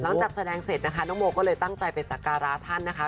หลังจากแสดงเสร็จนะคะน้องโมก็เลยตั้งใจไปสักการะท่านนะคะ